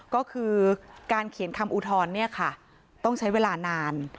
ก็คือการเขียนคำอุทรต้องใช้เวลานาน